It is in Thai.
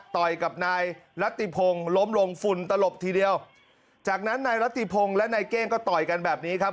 ต่อยกับนายรัตติพงศ์ล้มลงฝุ่นตลบทีเดียวจากนั้นนายรัติพงศ์และนายเก้งก็ต่อยกันแบบนี้ครับ